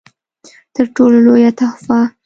تر ټولو لويه تحفه